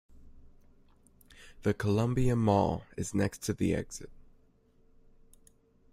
The Columbia Mall is next to the exit.